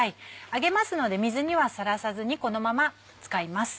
揚げますので水にはさらさずにこのまま使います。